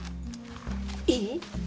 いい？